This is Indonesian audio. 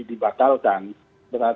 diperlukan dari pemerintah